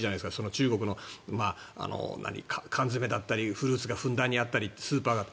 中国の缶詰だったりフルーツがふんだんにあったりスーパーだって。